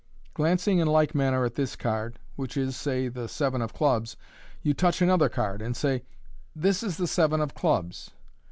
Glancing in like manner at this card, which is, say, the seven of clubs, you touch another card, and say, " This is the seven of clubs."